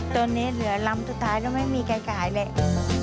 ตอนนี้เหลือลำสุดท้ายแล้วไม่มีใครกายเลย